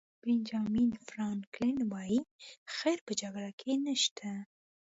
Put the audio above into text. بنجامین فرانکلن وایي خیر په جګړه کې نشته.